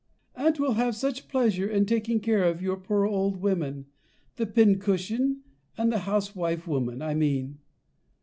Aunt will have such pleasure in taking care of your poor old women the pin cushion and the housewife woman, I mean.